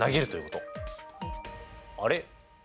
あれ？